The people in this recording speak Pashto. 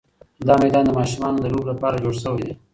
دا میدان د ماشومانو د لوبو لپاره جوړ شوی دی.